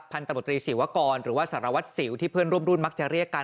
พันธมตรีศิวกรหรือว่าสารวัตรสิวที่เพื่อนร่วมรุ่นมักจะเรียกกัน